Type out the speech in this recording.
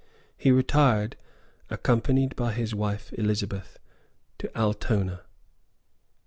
He retired, accompanied by his Elizabeth, to Altona.